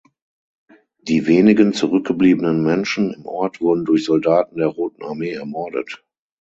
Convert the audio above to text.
Die wenigen zurückgebliebenen Menschen im Ort wurden durch Soldaten der Roten Armee ermordet.